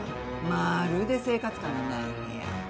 まるで生活感がない部屋。